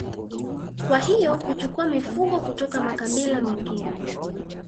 Kwa hiyo kuchukua mifugo kutoka makabila mengine